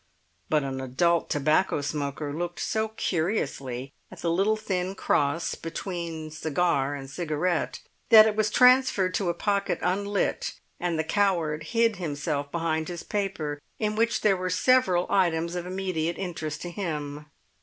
But an adult tobacco smoker looked so curiously at the little thin cross between cigar and cigarette, that it was transferred to a pocket unlit, and the coward hid himself behind his paper, in which there were several items of immediate interest to him.